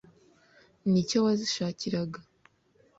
Ni cyo wazishakiraga.